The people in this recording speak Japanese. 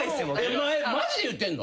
お前マジで言ってんの？